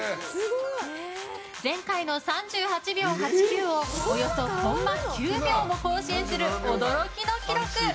前回の３８秒８９をおよそコンマ９秒も更新する驚きの記録。